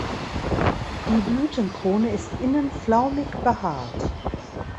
Die Blütenkrone ist innen flaumig behaart.